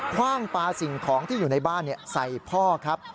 คว่างปลาสิ่งของที่อยู่ในบ้านใส่พ่อครับ